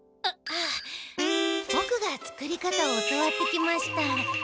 あっあボクが作り方を教わってきました。